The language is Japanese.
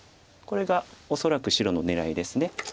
これが恐らく白の狙いです。